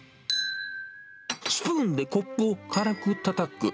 スプーンでコップを軽くたたく。